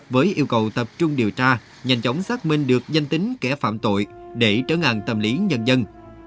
với yêu cầu tập trung điều tra nhanh chóng xác minh được danh tính kẻ phạm tội để trở ngại tâm lý nhân dân